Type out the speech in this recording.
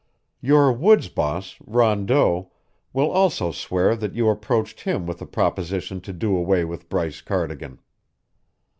Your woods boss, Rondeau, will also swear that you approached him with a proposition to do away with Bryce Cardigan.